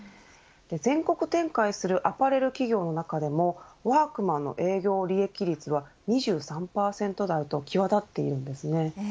全国展開するアパレル企業の中でもワークマンの営業利益率は２３％台と際立っているんです。